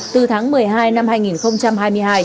từ tháng một mươi hai năm hai nghìn hai mươi hai